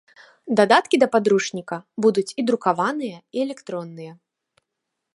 Дадаткі да падручніка будуць і друкаваныя, і электронныя.